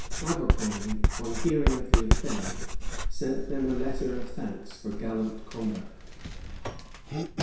Abercromby, on hearing of the affair, sent them a letter of thanks for gallant conduct.